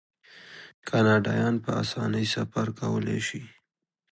کاناډایان په اسانۍ سفر کولی شي.